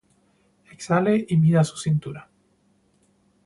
exhale y mida su cintura